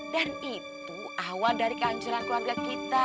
dan itu awal dari kehancuran keluarga kita